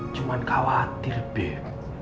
cuman khawatir beb